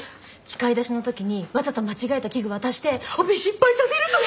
器械出しの時にわざと間違えた器具渡してオペ失敗させるとか。